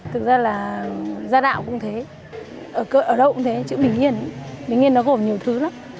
thực ra là gia đạo cũng thế ở đâu cũng thế chữ bình yên bình yên nó gồm nhiều thứ lắm